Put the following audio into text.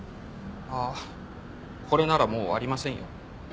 あっこれならもうありませんよ。